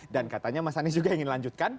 katanya mas anies juga ingin lanjutkan